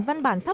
văn bản pháp